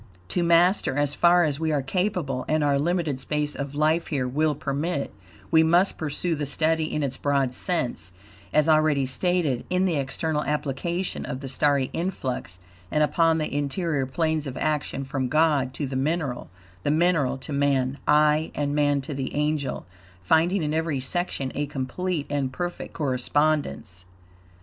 To master as far as we are capable, and our limited space of life here will permit, we must pursue the study in its broad sense, as already stated, in the external application of the starry influx and upon the interior planes of action from God to the mineral, the mineral to man; aye, and man to the angel, finding in every section a complete and perfect correspondence.